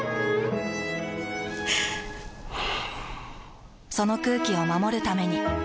ふぅその空気を守るために。